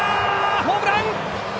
ホームラン！